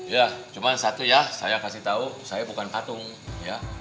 ya cuma satu ya saya kasih tahu saya bukan patung ya